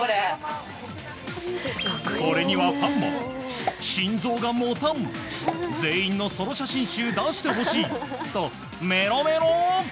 これにはファンも心臓が持たん全員のソロ写真集出してほしいとメロメロ！